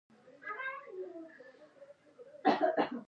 د انګریزانو زور معلوم وو.